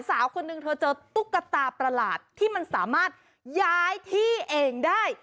สาวคนนึงเธอเจอตุ๊กตาประหลาดที่มันสามารถย้ายที่เองได้